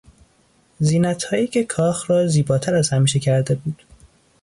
زینتهایی که کاخ را زیباتر از همیشه کرده بود